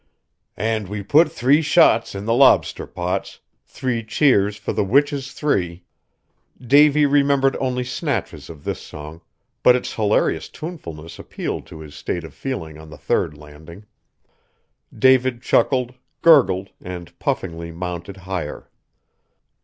"And we put three shots in the lobster pots, Three cheers for the witches three" Davy remembered only snatches of this song, but its hilarious tunefulness appealed to his state of feeling on the third landing. David chuckled, gurgled, and puffingly mounted higher.